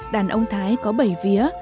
đàn ông thái có bảy vía